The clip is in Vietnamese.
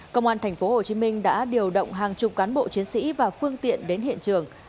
công an tp hcm đã điều động hàng chục cán bộ chiến sĩ và phương tiện đến hiện trường